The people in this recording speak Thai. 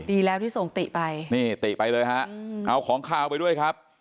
ดีแล้วที่ส่งติไปนี่ติไปเลยฮะเอาของขาวไปด้วยครับ